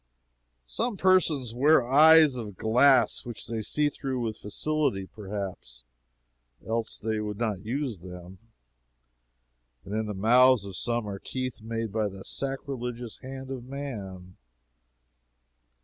Some persons wear eyes of glass which they see through with facility perhaps, else they would not use them; and in the mouths of some are teeth made by the sacrilegious hand of man.